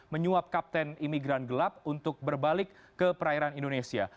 menyuap kapten imigran gelap untuk berbalik ke perairan indonesia